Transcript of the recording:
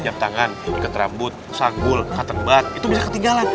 setiap tangan ikat rambut sagul kater bat itu bisa ketinggalan